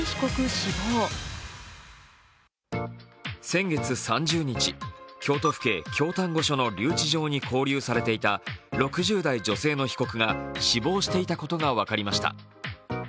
先月３０日、京都府警京丹後署の留置場に勾留されていた６０代女性の被告が死亡していたことが分かりました。